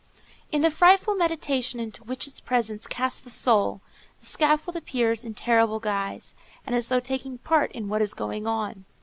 In the frightful meditation into which its presence casts the soul the scaffold appears in terrible guise, and as though taking part in what is going on.